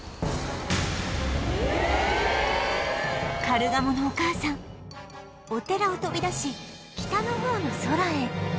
カルガモのお母さんお寺を飛び出し北の方の空へ